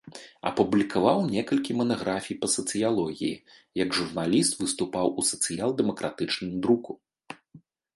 Апублікаваў некалькі манаграфій па сацыялогіі, як журналіст выступаў у сацыял-дэмакратычным друку.